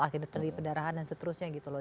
akhirnya terjadi pendarahan dan seterusnya gitu loh